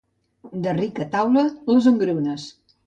De rica taula, les engrunes.